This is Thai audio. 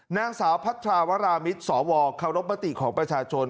นางสาวพัทราวรามิตรสวเคารพมติของประชาชน